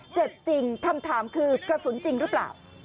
เจ็บจริงคำถามคือกระสุนจริงหรือเปล่า